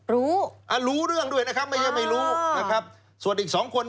รู้รู้เรื่องด้วยนะครับไม่ใช่ไม่รู้นะครับส่วนอีกสองคน